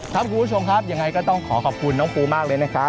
คุณผู้ชมครับยังไงก็ต้องขอขอบคุณน้องปูมากเลยนะครับ